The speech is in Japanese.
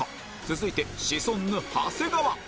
続いてシソンヌ長谷川